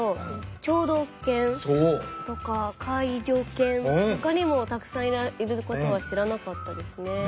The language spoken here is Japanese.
聴導犬とか介助犬ほかにもたくさんいることは知らなかったですね。